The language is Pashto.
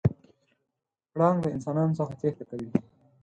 پړانګ د انسانانو څخه تېښته کوي.